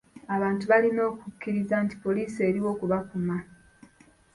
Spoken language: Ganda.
Abantu balina okukkiriza nti poliisi eriwo kubakuuma.